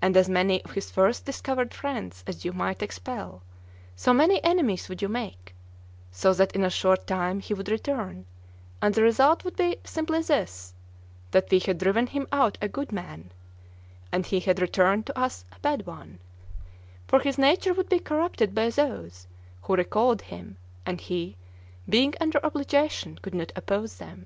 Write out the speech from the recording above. And as many of his first discovered friends as you might expel, so many enemies would you make, so that in a short time he would return, and the result would be simply this, that we had driven him out a good man and he had returned to us a bad one; for his nature would be corrupted by those who recalled him, and he, being under obligation, could not oppose them.